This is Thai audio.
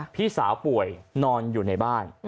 พี่สาวป่วยนอนอยู่ในบ้าน